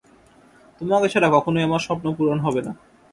তোমাকে ছাড়া কখনোই আমার স্বপ্ন পূরণ হবে না!